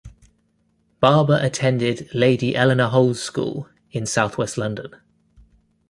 Barber attended Lady Eleanor Holles School in south-west London.